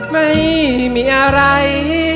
ไม่มีอะไร